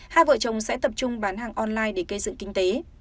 hai vợ chồng sẽ tập trung bán hàng online để cây dựng kinh tế